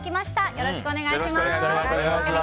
よろしくお願いします。